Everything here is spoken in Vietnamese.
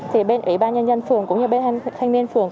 thì bên ủy ban nhân dân phường cũng như bên thanh niên phường